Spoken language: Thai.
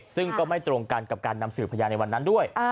ซึ่งก็ไม่ตรงกันกับการนำสื่อพยานในวันนั้นด้วย